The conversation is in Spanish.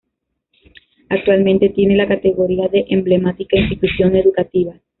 Actualmente tiene la categoría de Emblemática Institución Educativa.